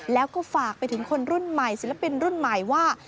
แล้วก็ฝากไปถึงคนรุ่นใหม่ศิลปินรุ่นใหม่ว่า